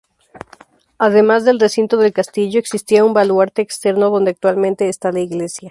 Además del recinto del Castillo, existía un baluarte externo donde actualmente está la iglesia.